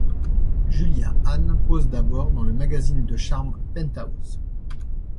Julia Ann pose d'abord dans le magazine de charme Penthouse.